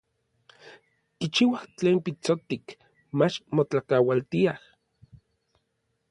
Kichiuaj tlen pitsotik, mach motlakaualtiaj.